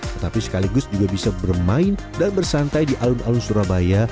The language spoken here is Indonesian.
tetapi sekaligus juga bisa bermain dan bersantai di alun alun surabaya